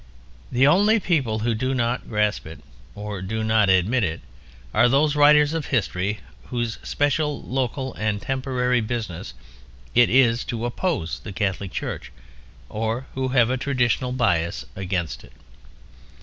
The only people who do not grasp it (or do not admit it) are those writers of history whose special, local, and temporary business it is to oppose the Catholic Church, or who have a traditional bias against it.